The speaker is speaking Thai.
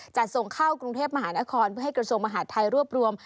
จะส่งเข้ากรุงเทพมหานครเพื่อให้กระทรวงมหาดไทยรวบรวม